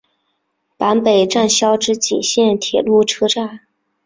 坂北站筱之井线铁路车站。